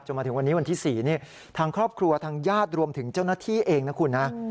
มาถึงวันนี้วันที่๔ทางครอบครัวทางญาติรวมถึงเจ้าหน้าที่เองนะคุณนะ